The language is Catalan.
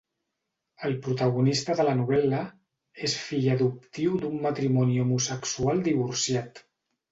El protagonista de la novel·la és fill adoptiu d'un matrimoni homosexual divorciat.